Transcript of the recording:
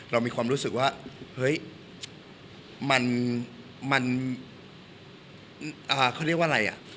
เรามีความรู้สึกว่าเฮ้ยมันเขาเรียกว่าอะไรอ่ะ